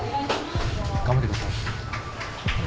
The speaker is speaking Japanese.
頑張ってください。